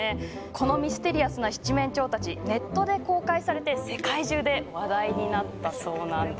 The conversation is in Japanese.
このミステリアスな七面鳥たちネットで公開されて世界中で話題になったそうなんです。